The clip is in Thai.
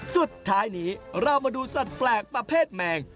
สุดท้ายนี้เรามาดูสัตว์แปลกประเภทแมง